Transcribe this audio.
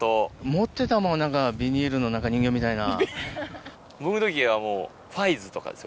持ってたもん何かビニールの人形みたいな。